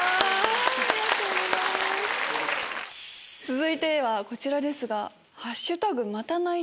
続いてはこちらです。